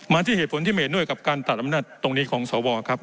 ที่เหตุผลที่ไม่เห็นด้วยกับการตัดอำนาจตรงนี้ของสวครับ